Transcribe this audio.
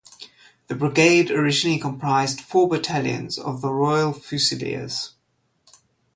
The brigade originally comprised four battalions of the Royal Fusiliers.